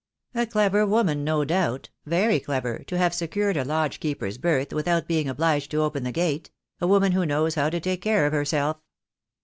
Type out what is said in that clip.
"A clever woman, no doubt; very clever, to have secured a lodge keeper's berth without being obliged to open the gate; a woman who knows how to take care of herself."